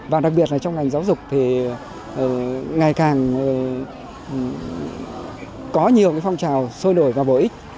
và đặc biệt là trong ngành giáo dục thì ngày càng có nhiều phong trào sôi nổi và bổ ích